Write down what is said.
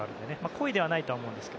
故意ではないとは思いますが。